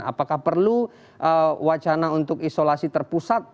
apakah perlu wacana untuk isolasi terpusat